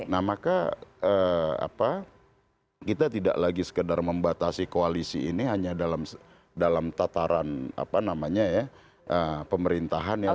nah maka kita tidak lagi sekedar membatasi koalisi ini hanya dalam tataran pemerintahan ya